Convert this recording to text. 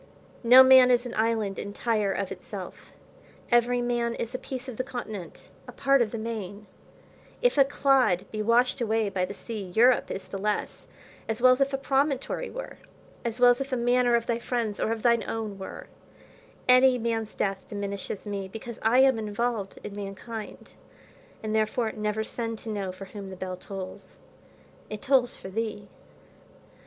No man is an island, entire of itself; every man is a piece of the continent, a part of the main. If a clod be washed away by the sea, Europe is the less, as well as if a promontory were, as well as if a manor of thy friend's or of thine[Pg 109] own were: any man's death diminishes me, because I am involved in mankind, and therefore never send to know for whom the bells tolls; it tolls for thee.